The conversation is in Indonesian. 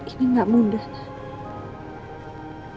ini gak mudah nanda